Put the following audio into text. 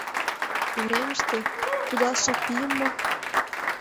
Уремыште кудалше пийым мо?